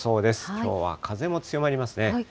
きょうは風も強まりますね。